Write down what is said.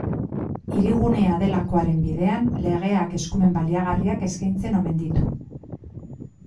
Hirigunea delakoaren bidean, legeak eskumen baliagarriak eskaintzen omen ditu.